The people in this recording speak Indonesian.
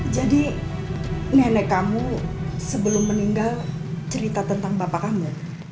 jadi nenek kamu sebelum meninggal cerita tentang bapak kamu